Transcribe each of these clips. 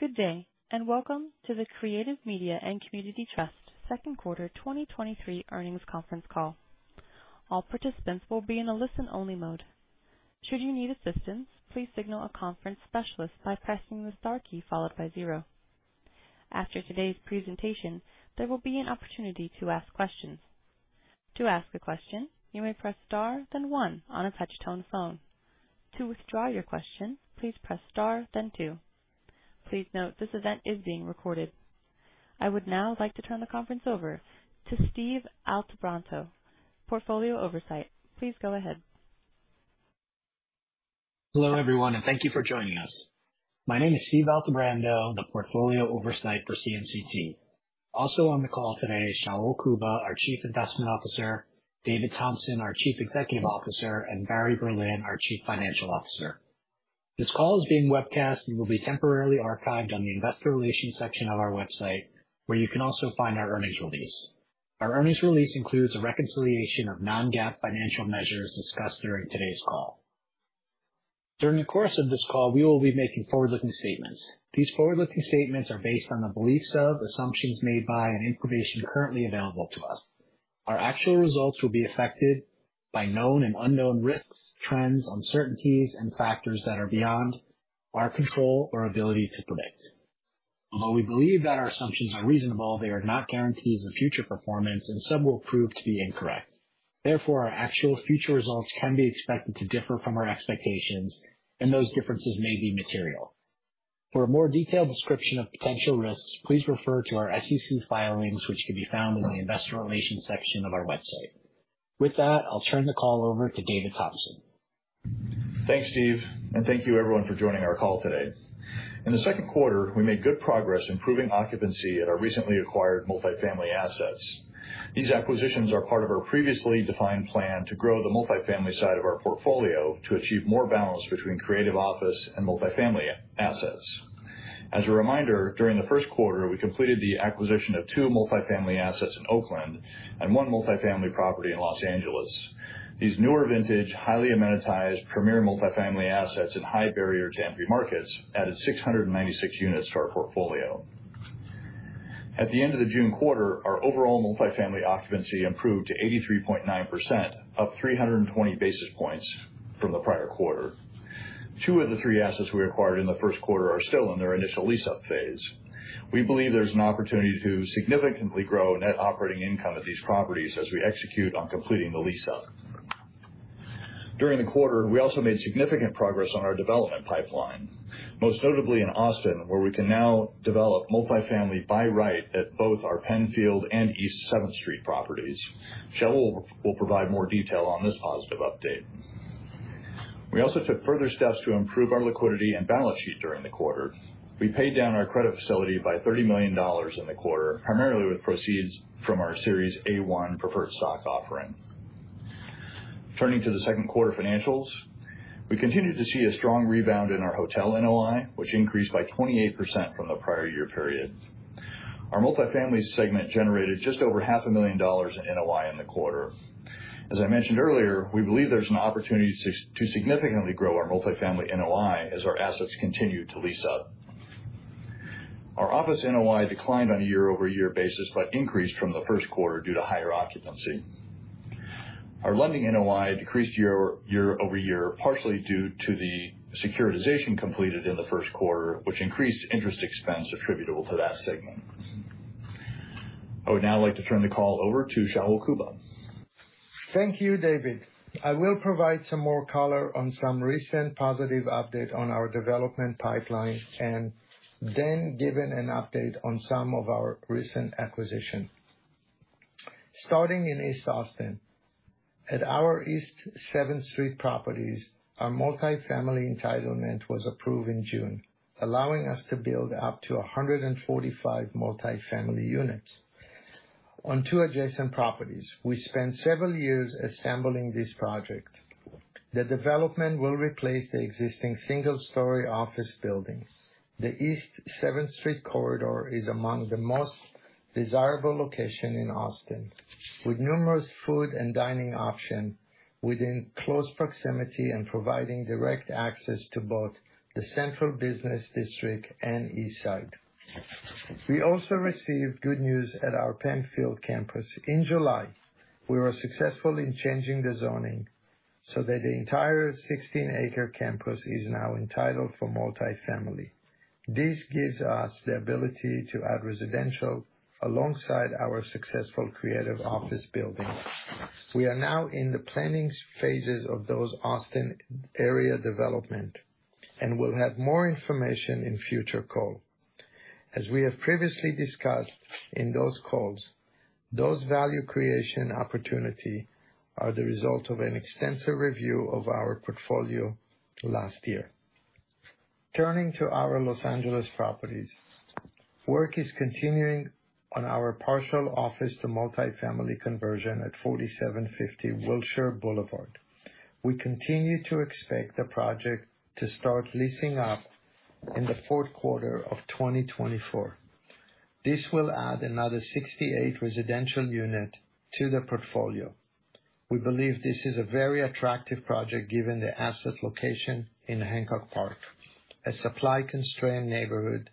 Good day, and welcome to the Creative Media & Community Trust second quarter 2023 earnings conference call. All participants will be in a listen-only mode. Should you need assistance, please signal a conference specialist by pressing the star key followed by zero. After today's presentation, there will be an opportunity to ask questions. To ask a question, you may press star, then one on a touch-tone phone. To withdraw your question, please press star then two. Please note, this event is being recorded. I would now like to turn the conference over to Steve Altebrando, Portfolio Oversight. Please go ahead. Hello, everyone, and thank you for joining us. My name is Steve Altebrando, the Portfolio Oversight for CMCT. Also on the call today is Shaul Kuba, our Chief Investment Officer, David Thompson, our Chief Executive Officer, and Barry Berlin, our Chief Financial Officer. This call is being webcast and will be temporarily archived on the Investor Relations section of our website, where you can also find our earnings release. Our earnings release includes a reconciliation of non-GAAP financial measures discussed during today's call. During the course of this call, we will be making forward-looking statements. These forward-looking statements are based on the beliefs of, assumptions made by, and information currently available to us. Our actual results will be affected by known and unknown risks, trends, uncertainties, and factors that are beyond our control or ability to predict. Although we believe that our assumptions are reasonable, they are not guarantees of future performance, and some will prove to be incorrect. Therefore, our actual future results can be expected to differ from our expectations, and those differences may be material. For a more detailed description of potential risks, please refer to our SEC filings, which can be found in the Investor Relations section of our website. With that, I'll turn the call over to David Thompson. Thanks, Steve, and thank you everyone for joining our call today. In the second quarter, we made good progress improving occupancy at our recently acquired multifamily assets. These acquisitions are part of our previously defined plan to grow the multifamily side of our portfolio to achieve more balance between creative office and multifamily assets. As a reminder, during the first quarter, we completed the acquisition of two multifamily assets in Oakland and one multifamily property in Los Angeles. These newer vintage, highly amenitized, premier multifamily assets in high barrier-to-entry markets added 696 units to our portfolio. At the end of the June quarter, our overall multifamily occupancy improved to 83.9%, up 320 basis points from the prior quarter. Two of the three assets we acquired in the first quarter are still in their initial lease-up phase. We believe there's an opportunity to significantly grow net operating income at these properties as we execute on completing the lease-up. During the quarter, we also made significant progress on our development pipeline, most notably in Austin, where we can now develop multifamily by right at both our Penn Field and East Seventh Street properties. Shaul will provide more detail on this positive update. We also took further steps to improve our liquidity and balance sheet during the quarter. We paid down our credit facility by $30 million in the quarter, primarily with proceeds from our Series A-1 Preferred Stock offering. Turning to the second quarter financials, we continued to see a strong rebound in our hotel NOI, which increased by 28% from the prior year period. Our multifamily segment generated just over $500,000 in NOI in the quarter. As I mentioned earlier, we believe there's an opportunity to significantly grow our multifamily NOI as our assets continue to lease up. Our office NOI declined on a year-over-year basis, but increased from the first quarter due to higher occupancy. Our lending NOI decreased year-over-year, partially due to the securitization completed in the first quarter, which increased interest expense attributable to that segment. I would now like to turn the call over to Shaul Kuba. Thank you, David. I will provide some more color on some recent positive update on our development pipeline, then give an update on some of our recent acquisition. Starting in East Austin, at our East Seventh Street properties, our multifamily entitlement was approved in June, allowing us to build up to 145 multifamily units on 2 adjacent properties. We spent several years assembling this project. The development will replace the existing single-story office building. The East Seventh Street corridor is among the most desirable location in Austin, with numerous food and dining option within close proximity and providing direct access to both the central business district and east side. We also received good news at our Penn Field campus. In July, we were successful in changing the zoning so that the entire 16-acre campus is now entitled for multifamily. This gives us the ability to add residential alongside our successful creative office building. We are now in the planning phases of those Austin area development and will have more information in future call. As we have previously discussed in those calls, those value creation opportunity are the result of an extensive review of our portfolio last year. Turning to our Los Angeles properties, work is continuing on our partial office to multifamily conversion at forty-seven fifty Wilshire Boulevard. We continue to expect the project to start leasing up in the fourth quarter of 2024. This will add another 68 residential unit to the portfolio. We believe this is a very attractive project, given the asset location in Hancock Park, a supply-constrained neighborhood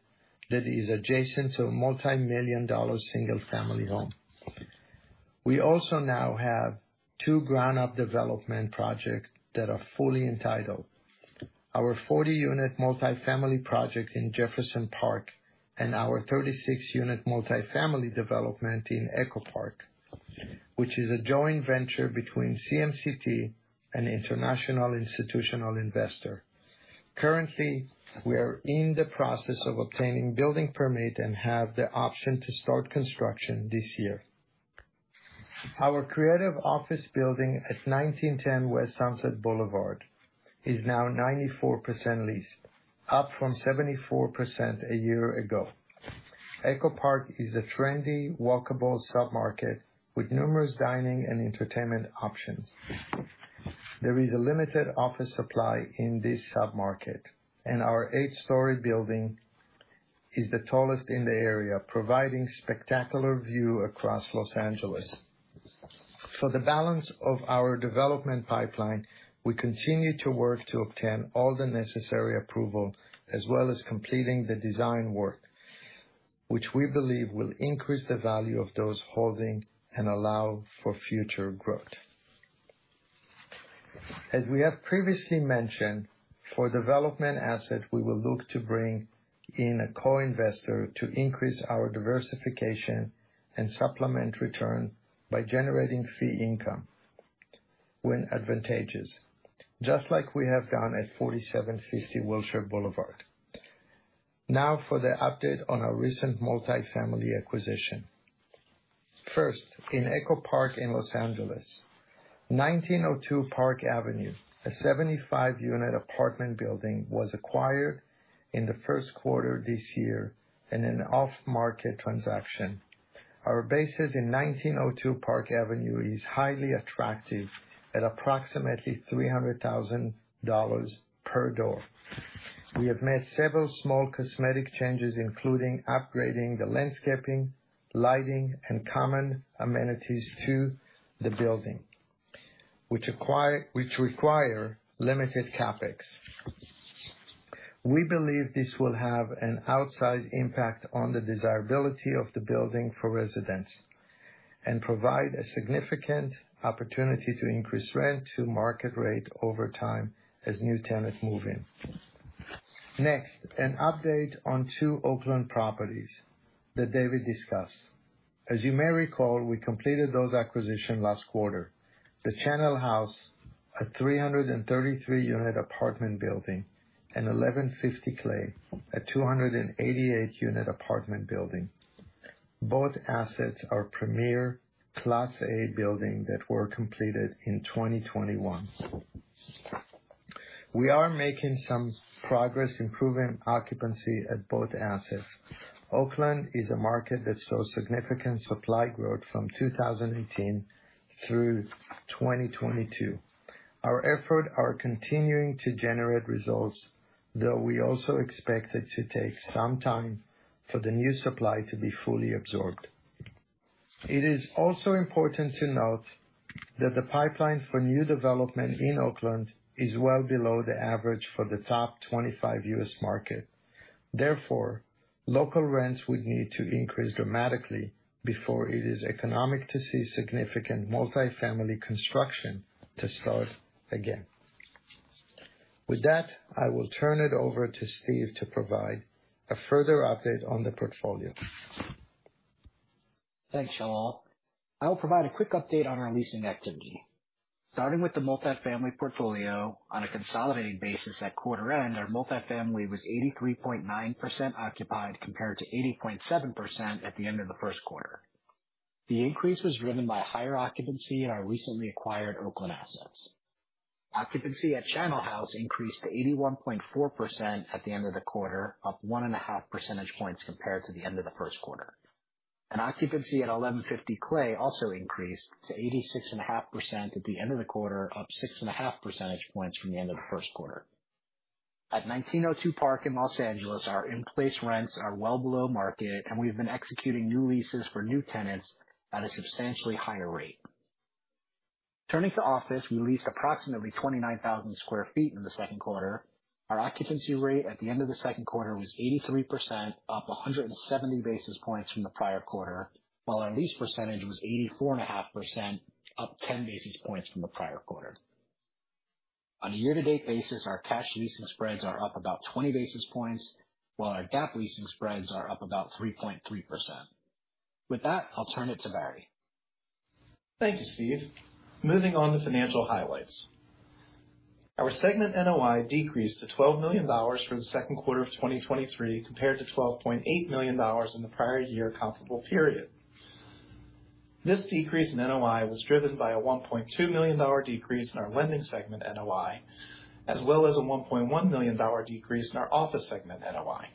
that is adjacent to multimillion-dollar single-family homes. We also now have two ground-up development projects that are fully entitled. Our 40-unit multifamily project in Jefferson Park and our 36-unit multifamily development in Echo Park, which is a joint venture between CMCT and international institutional investor. Currently, we are in the process of obtaining building permit and have the option to start construction this year. Our creative office building at 1910 West Sunset Boulevard is now 94% leased, up from 74% a year ago. Echo Park is a trendy, walkable submarket with numerous dining and entertainment options. There is a limited office supply in this submarket, and our eight story building is the tallest in the area, providing spectacular view across Los Angeles. For the balance of our development pipeline, we continue to work to obtain all the necessary approval, as well as completing the design work, which we believe will increase the value of those holding and allow for future growth. As we have previously mentioned, for development assets, we will look to bring in a co-investor to increase our diversification and supplement return by generating fee income when advantageous, just like we have done at 4750 Wilshire Boulevard. Now for the update on our recent multifamily acquisition. First, in Echo Park in Los Angeles, 1902 Park Ave., a 75-unit apartment building, was acquired in the 1st quarter this year in an off-market transaction. Our basis in 1902 Park Ave. is highly attractive, at approximately $300,000 per door. We have made several small cosmetic changes, including upgrading the landscaping, lighting, and common amenities to the building, which require limited CapEx. We believe this will have an outsized impact on the desirability of the building for residents and provide a significant opportunity to increase rent to market rate over time as new tenants move in. Next, an update on two Oakland properties that David discussed. As you may recall, we completed those acquisitions last quarter. The Channel House, a 333-unit apartment building, and Eleven Fifty Clay, a 288-unit apartment building. Both assets are premier Class A building that were completed in 2021. We are making some progress improving occupancy at both assets. Oakland is a market that saw significant supply growth from 2018 through 2022. Our efforts are continuing to generate results, though we also expect it to take some time for the new supply to be fully absorbed. It is also important to note that the pipeline for new development in Oakland is well below the average for the top 25 U.S. market. Local rents would need to increase dramatically before it is economic to see significant multifamily construction to start again. With that, I will turn it over to Steve to provide a further update on the portfolio. Thanks, Shaul. I will provide a quick update on our leasing activity. Starting with the multifamily portfolio, on a consolidated basis at quarter end, our multifamily was 83.9% occupied, compared to 80.7% at the end of the first quarter. The increase was driven by higher occupancy in our recently acquired Oakland assets. Occupancy at Channel House increased to 81.4% at the end of the quarter, up 1.5 percentage points compared to the end of the first quarter. Occupancy at Eleven Fifty Clay also increased to 86.5% at the end of the quarter, up 6.5 percentage points from the end of the first quarter. At 1902 Park in Los Angeles, our in-place rents are well below market. We've been executing new leases for new tenants at a substantially higher rate. Turning to office, we leased approximately 29,000 sq ft in the second quarter. Our occupancy rate at the end of the second quarter was 83%, up 170 basis points from the prior quarter, while our lease percentage was 84.5%, up 10 basis points from the prior quarter. On a year-to-date basis, our cash leasing spreads are up about 20 basis points, while our GAAP leasing spreads are up about 3.3%. With that, I'll turn it to Barry. Thank you, Steve. Moving on to financial highlights. Our segment NOI decreased to $12 million for the second quarter of 2023, compared to $12.8 million in the prior year comparable period. This decrease in NOI was driven by a $1.2 million decrease in our lending segment NOI, as well as a $1.1 million decrease in our office segment NOI.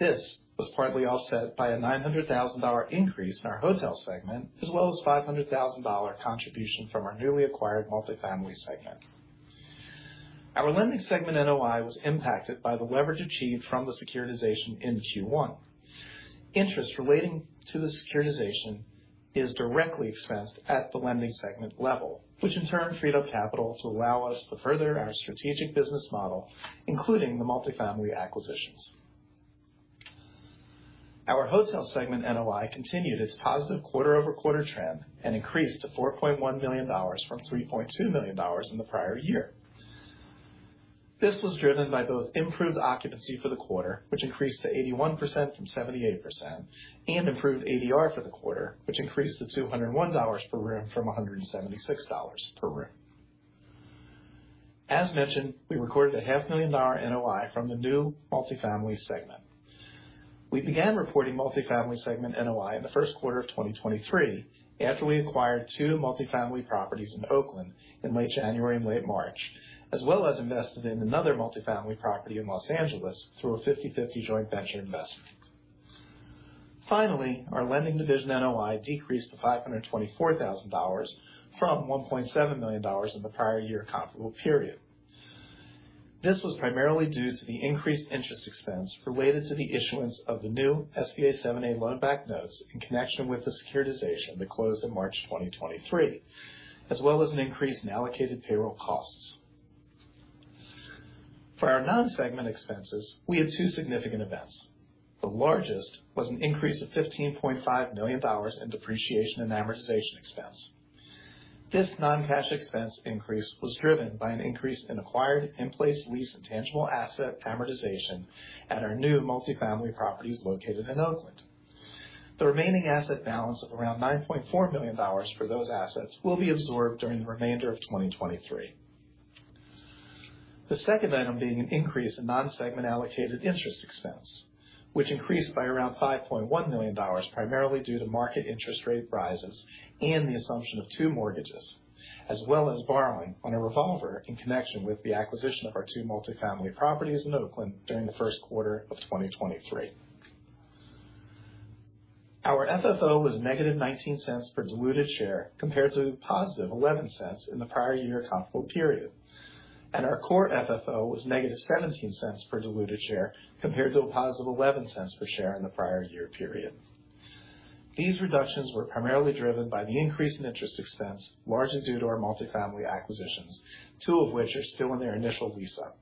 This was partly offset by a $900,000 increase in our hotel segment, as well as $500,000 contribution from our newly acquired multifamily segment. Our lending segment NOI was impacted by the leverage achieved from the securitization in Q1. Interest relating to the securitization is directly assessed at the lending segment level, which in turn freed up capital to allow us to further our strategic business model, including the multifamily acquisitions. Our hotel segment NOI continued its positive quarter-over-quarter trend and increased to $4.1 million from $3.2 million in the prior year. This was driven by both improved occupancy for the quarter, which increased to 81% from 78%, and improved ADR for the quarter, which increased to $201 per room from $176 per room. As mentioned, we recorded a $500,000 NOI from the new multifamily segment. We began reporting multifamily segment NOI in the first quarter of 2023, after we acquired two multifamily properties in Oakland in late January and late March, as well as invested in another multifamily property in Los Angeles through a 50/50 joint venture investment. Finally, our lending division NOI decreased to $524,000 from $1.7 million in the prior year comparable period. This was primarily due to the increased interest expense related to the issuance of the new SBA 7(a) loan back notes in connection with the securitization that closed in March 2023, as well as an increase in allocated payroll costs. For our non-segment expenses, we had two significant events. The largest was an increase of $15.5 million in depreciation and amortization expense. This non-cash expense increase was driven by an increase in acquired in-place lease and tangible asset amortization at our new multifamily properties located in Oakland. The remaining asset balance of around $9.4 million for those assets will be absorbed during the remainder of 2023. The second item being an increase in non-segment allocated interest expense, which increased by around $5.1 million, primarily due to market interest rate rises and the assumption of two mortgages, as well as borrowing on a revolver in connection with the acquisition of our two multifamily properties in Oakland during Q1 2023. Our FFO was -$0.19 per diluted share, compared to $0.11 in the prior year comparable period, and our Core FFO was -$0.17 per diluted share, compared to a $0.11 per share in the prior year period. These reductions were primarily driven by the increase in interest expense, largely due to our multifamily acquisitions, 2 of which are still in their initial lease-up.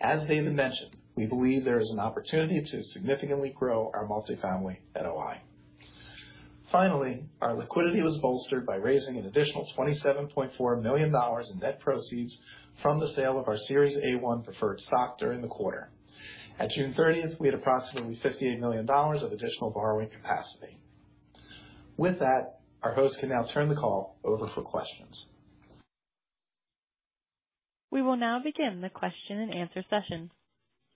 As David mentioned, we believe there is an opportunity to significantly grow our multifamily NOI. Finally, our liquidity was bolstered by raising an additional $27.4 million in net proceeds from the sale of our Series A-1 Preferred Stock during the quarter. At June 30th, we had approximately $58 million of additional borrowing capacity. With that, our host can now turn the call over for questions. We will now begin the question and answer session.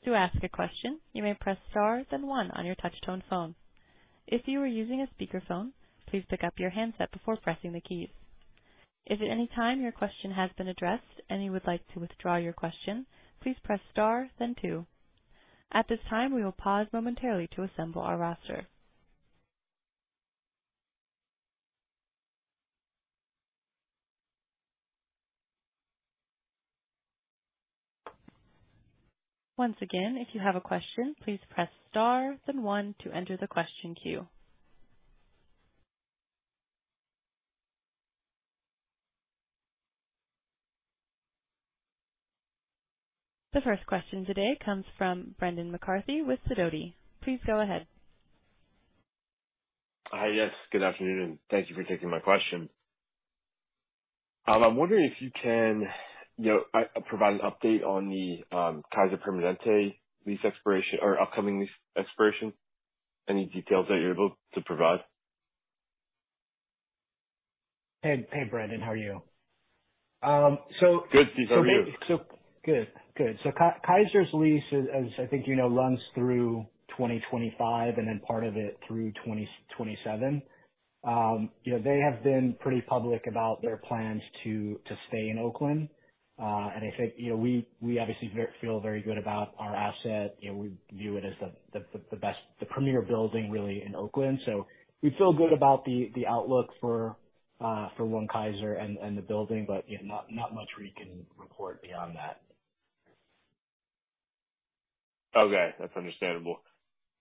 To ask a question, you may press star then one on your touch tone phone. If you are using a speakerphone, please pick up your handset before pressing the keys. If at any time your question has been addressed and you would like to withdraw your question, please press star then two. At this time, we will pause momentarily to assemble our roster. Once again, if you have a question, please press star then one to enter the question queue. The first question today comes from Brendan McCarthy with Sidoti. Please go ahead. Hi. Yes, good afternoon, and thank you for taking my question. I'm wondering if you can, you know, provide an update on the Kaiser Permanente lease expiration or upcoming lease expiration. Any details that you're able to provide? Hey, hey, Brendan, how are you? Good. How are you? Good. Good. Kaiser's lease, as I think you know, runs through 2025 and then part of it through 2027. You know, they have been pretty public about their plans to, to stay in Oakland. I think, you know, we, we obviously feel very good about our asset. You know, we view it as the, the, the best, the premier building really in Oakland. We feel good about the outlook for One Kaiser and the building, but, you know, not, not much we can report beyond that. Okay, that's understandable.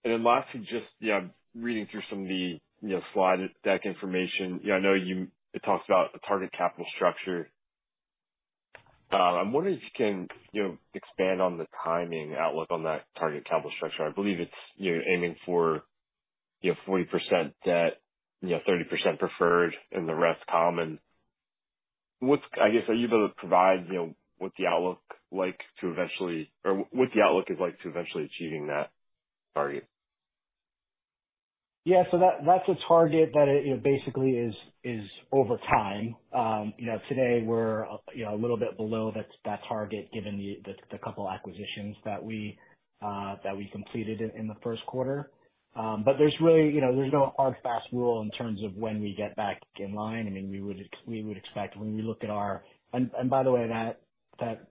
Lastly, just, you know, reading through some of the, you know, slide deck information. I know you. It talks about the target capital structure. I'm wondering if you can, you know, expand on the timing outlook on that target capital structure. I believe it's, you're aiming for, you know, 40% debt, you know, 30% preferred and the rest common. What's I guess, are you able to provide, you know, what the outlook like to eventually or what the outlook is like to eventually achieving that target? Yeah. So that, that's a target that, you know, basically is, is over time. You know, today we're, you know, a little bit below that, that target, given the, the, the couple acquisitions that we that we completed in, in the first quarter. There's really, you know, there's no hard, fast rule in terms of when we get back in line. I mean, we would expect when we look at and, and by the way, that, that,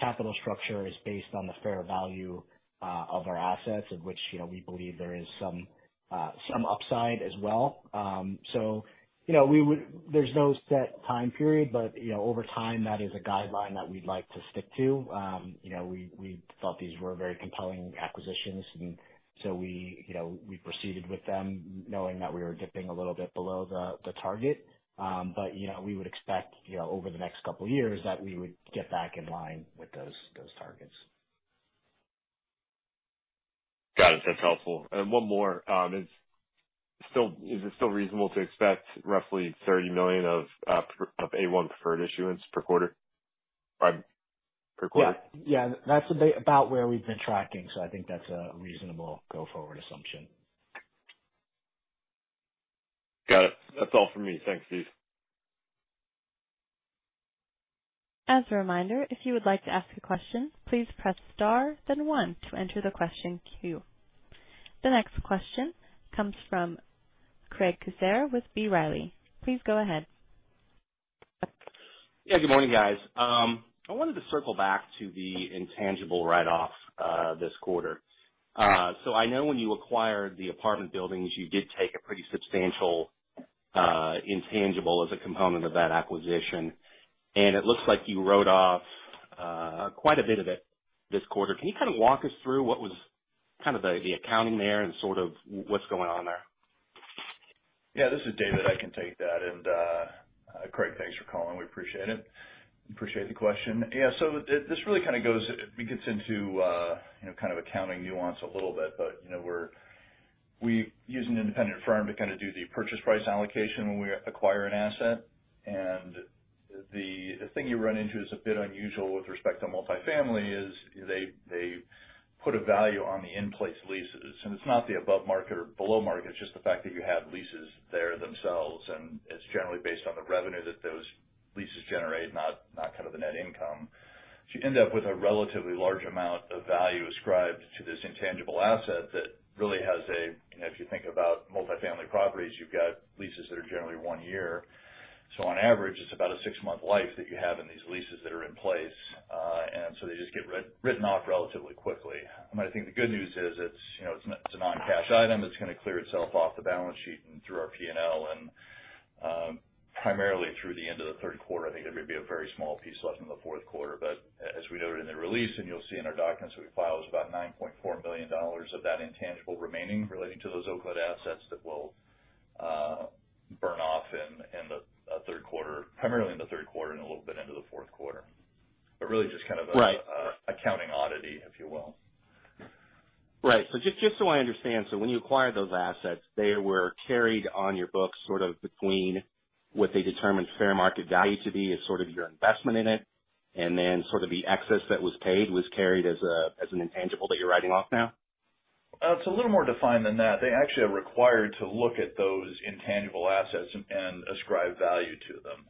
capital structure is based on the fair value of our assets, of which, you know, we believe there is some some upside as well. You know, there's no set time period, but, you know, over time, that is a guideline that we'd like to stick to. You know, we, we thought these were very compelling acquisitions, and so we, you know, we proceeded with them, knowing that we were dipping a little bit below the, the target. You know, we would expect, you know, over the next couple years that we would get back in line with those, those targets. Got it. That's helpful. One more, is it still reasonable to expect roughly $30 million of, of A1 Preferred issuance per quarter? By per quarter? Yeah. Yeah, that's about where we've been tracking, so I think that's a reasonable go-forward assumption. Got it. That's all for me. Thanks, Steve. As a reminder, if you would like to ask a question, please press star then one to enter the question queue. The next question comes from Craig Kucera with B. Riley. Please go ahead. Yeah, good morning, guys. I wanted to circle back to the intangible write-off this quarter. I know when you acquired the apartment buildings, you did take a pretty substantial intangible as a component of that acquisition, and it looks like you wrote off quite a bit of it this quarter. Can you kind of walk us through what was kind of the, the accounting there and sort of what's going on there? Yeah, this is David. I can take that. Craig, thanks for calling, we appreciate it. Appreciate the question. Yeah, this really kind of goes. It gets into, you know, kind of accounting nuance a little bit, but, you know, we're, we use an independent firm to kind of do the purchase price allocation when we acquire an asset. The, the thing you run into is a bit unusual with respect to multifamily is they, they put a value on the in-place leases, and it's not the above market or below market. It's just the fact that you have leases there themselves, and it's generally based on the revenue that those leases generate, not, not kind of the net income. You end up with a relatively large amount of value ascribed to this intangible asset that really has a, you know, if you think about multifamily properties, you've got leases that are generally one year. On average, it's about a 6-month life that you have in these leases that are in place. They just get written off relatively quickly. I think the good news is it's, you know, it's, it's a non-cash item. It's gonna clear itself off the balance sheet and through our PNL, primarily through the end of the third quarter. I think there may be a very small piece left in the fourth quarter, but as we noted in the release, and you'll see in our documents that we file, it was about $9.4 million of that intangible remaining relating to those Oakland assets that will burn off in, in the third quarter, primarily in the third quarter and a little bit into the fourth quarter. But really just kind of. Right. accounting oddity, if you will. Right. Just, just so I understand. When you acquired those assets, they were carried on your books, sort of between what they determined fair market value to be and sort of your investment in it, and then sort of the excess that was paid was carried as a, as an intangible that you're writing off now? It's a little more defined than that. They actually are required to look at those intangible assets and ascribe value to them.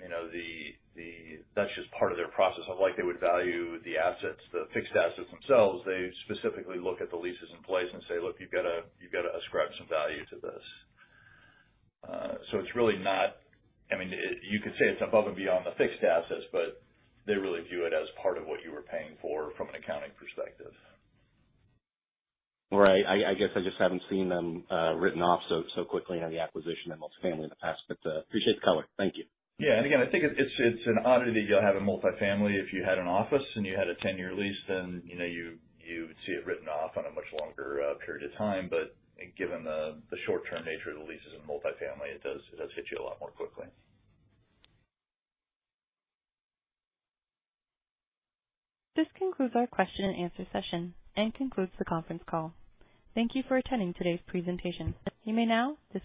You know, that's just part of their process, unlike they would value the assets, the fixed assets themselves, they specifically look at the leases in place and say: Look, you've got to, you've got to ascribe some value to this. So it's really not... I mean, you could say it's above and beyond the fixed assets, but they really view it as part of what you were paying for from an accounting perspective. Right. I, I guess I just haven't seen them, written off so, so quickly on the acquisition of multifamily in the past, but, appreciate the color. Thank you. Yeah. Again, I think it's, it's an oddity you'll have in multifamily. If you had an office and you had a 10-year lease, then, you know, you, you would see it written off on a much longer period of time. Given the, the short-term nature of the leases in multifamily, it does, it does hit you a lot more quickly. This concludes our question and answer session and concludes the conference call. Thank you for attending today's presentation. You may now disconnect.